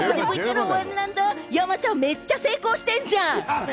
山ちゃん、めっちゃ成功してんじゃん！